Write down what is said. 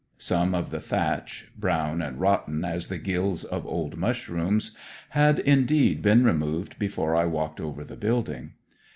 Some of the thatch, brown and rotten as the gills of old mushrooms, had, indeed, been removed before I walked over the building.